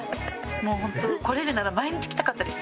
もうホント来れるなら毎日来たかったです